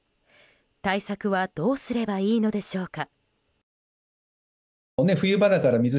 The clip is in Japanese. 対策はどうすればいいのでしょうか。